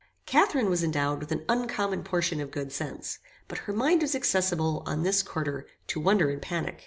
Catharine was endowed with an uncommon portion of good sense; but her mind was accessible, on this quarter, to wonder and panic.